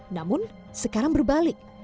namun sekarang berbalik